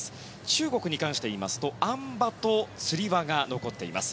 中国に関してはあん馬とつり輪が残っています。